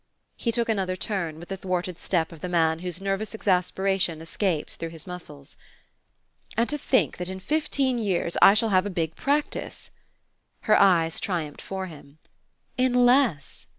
He took another turn, with the thwarted step of the man whose nervous exasperation escapes through his muscles. "And to think that in fifteen years I shall have a big practice!" Her eyes triumphed for him. "In less!"